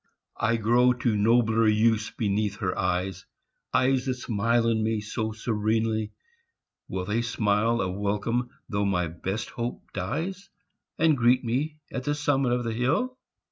I grow to nobler use beneath her eyes Eyes that smile on me so serenely, will They smile a welcome though my best hope dies, And greet me at the summit of the hill?